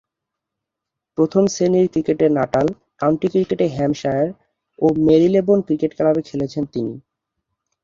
প্রথম-শ্রেণীর ক্রিকেটে Natal, county ক্রিকেটে হ্যাম্পশায়ার ও মেরিলেবোন ক্রিকেট ক্লাবে খেলেছেন তিনি।